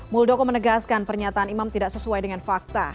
muldoko menegaskan pernyataan imam tidak sesuai dengan fakta